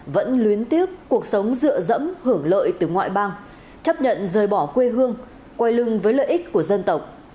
vẫn luyến tiếc cuộc sống dựa dẫm hưởng lợi từ ngoại bang chấp nhận rời bỏ quê hương quay lưng với lợi ích của dân tộc